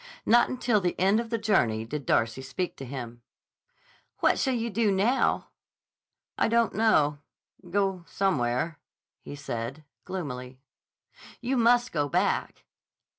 Not until the end of the journey did Darcy speak to him. "What shall you do now?" "I don't know. Go somewhere," said he gloomily. "You must go back."